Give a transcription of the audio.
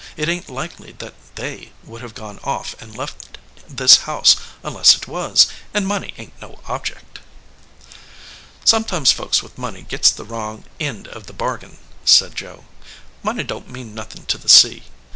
"It ain t likely that They would have gone off and left this house unless it was ; and money ain t no object." "Sometimes folks with money gits the wrong end of the bargain," said Joe. "Money don t mean nothin to the sea.